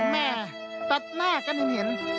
แม่ตัดหน้ากันยังเห็น